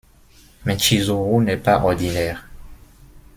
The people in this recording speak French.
Mais Chizuru n'est pas ordinaire.